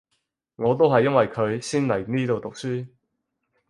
我都係因為佢先嚟呢度讀書